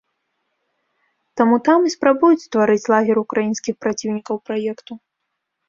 Таму там і спрабуюць стварыць лагер украінскіх праціўнікаў праекту.